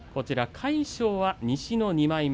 魁勝は西の２枚目。